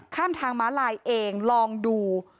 ข้ามทางม้าลายเองลองดู